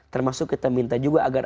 termasuk kita minta juga agar